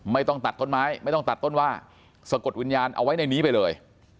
ไม่ต้องตัดต้นไม้ไม่ต้องตัดต้นว่าสะกดวิญญาณเอาไว้ในนี้ไปเลย